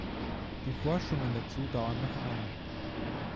Die Forschungen dazu dauern noch an.